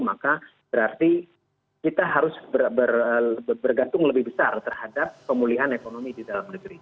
maka berarti kita harus bergantung lebih besar terhadap pemulihan ekonomi di dalam negeri